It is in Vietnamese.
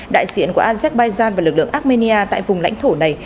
đại diện của azerbaijan và lực lượng armenia tại vùng lãnh thổ này